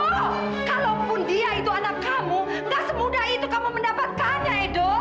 oh kalaupun dia itu anak kamu gak semudah itu kamu mendapatkannya edo